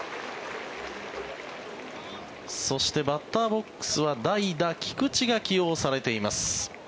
そしてバッターボックスは代打、菊池が起用されています。